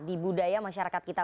di budaya masyarakat kita